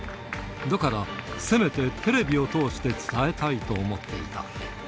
だから、せめてテレビを通して伝えたいと思っていた。